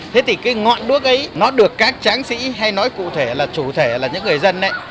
thế thì cái ngọn đuốc ấy nó được các tráng sĩ hay nói cụ thể là chủ thể là những người dân ấy